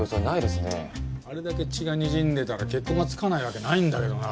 あれだけ血がにじんでたら血痕が付かないわけないんだけどな。